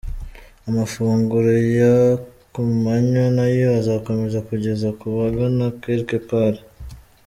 Amafunguro ya kumanywa nayo azakomeza kugeza ku bagana Quelque Part.